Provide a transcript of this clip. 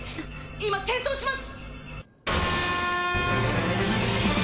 今転送します。